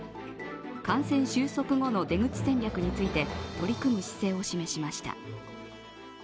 感染収束後の出口戦略について取り組む姿勢を示しました。